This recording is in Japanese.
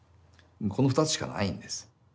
この２つしかないんです。